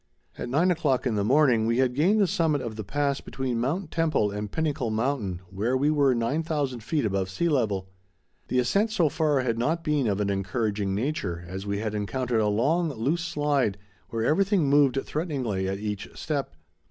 At nine o'clock in the morning, we had gained the summit of the pass between Mount Temple and Pinnacle Mountain, where we were 9000 feet above sea level. The ascent so far had not been of an encouraging nature, as we had encountered a long, loose slide where everything moved threateningly at each step.